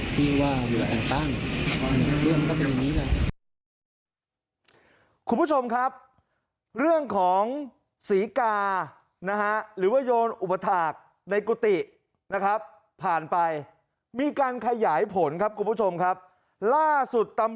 เพราะว่าวิวน้องก็เลยไม่พอใจเจ้าคณะที่ว่าอยู่แก่ตั้ง